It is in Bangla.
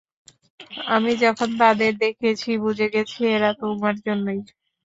আমি যখন তাদের দেখেছি, বুঝে গেছি এরা তোমার জন্যই।